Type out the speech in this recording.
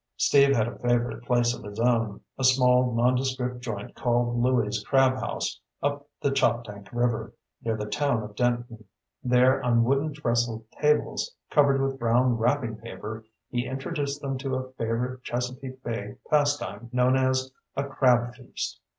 Steve had a favorite place of his own, a small, nondescript joint called "Louie's Crab House" up the Choptank River, near the town of Denton. There, on wooden trestle tables covered with brown wrapping paper, he introduced them to a favorite Chesapeake Bay pastime known as a "crab feast."